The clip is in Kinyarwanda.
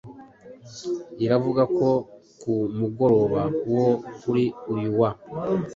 iravuga ko ku mugoroba wo kuri uyu wa